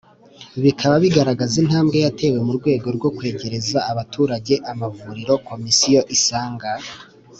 Bikaba bigaragaza intambwe yatewe mu rwego rwo kwegereza abaturage amavuriro komisiyo isanga